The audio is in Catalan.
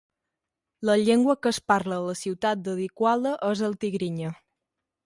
La llengua que es parla a la ciutat d'Adi Quala és el tigrinya.